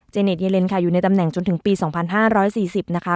เนทเยเลนค่ะอยู่ในตำแหน่งจนถึงปี๒๕๔๐นะคะ